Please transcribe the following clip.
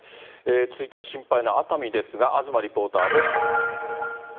続いては心配な熱海ですけれども、東リポーターです。